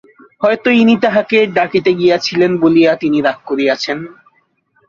হয়তো ইনি তাঁহাকে ডাকিতে গিয়াছিলেন বলিয়া তিনি রাগ করিয়াছেন।